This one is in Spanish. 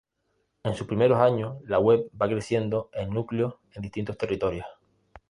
En sus primeros años, la web va creciendo en núcleos en distintos territorios.